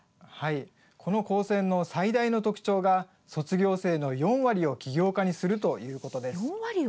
この高専の最大の特徴が卒業生の４割を起業家にするということです。